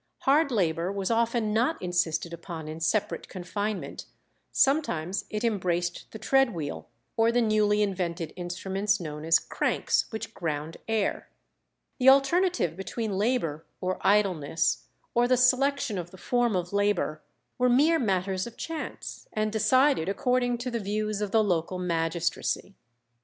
Hard labour was often not insisted upon in separate confinement; sometimes it embraced the tread wheel or the newly invented instruments known as cranks, which ground air. The alternative between labour or idleness, or the selection of the form of labour, were mere matters of chance, and decided according to the views of the local magistracy.